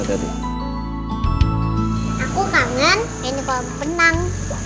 aku kangen main di kolam benang